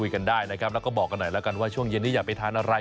กันได้นะครับแล้วก็บอกกันหน่อยแล้วกันว่าช่วงเย็นนี้อยากไปทานอะไร